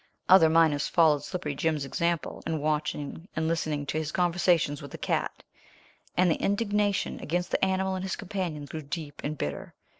Other miners followed Slippery Jim's example, in watching and listening to his conversations with the cat, and the indignation against the animal and his companion grew deep and bitter.